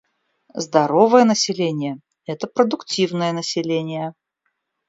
Здоровое население — это продуктивное население.